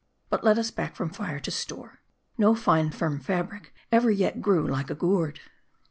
But let us back from fire to stone. No fine firm fabric ever yet grew like a gourd.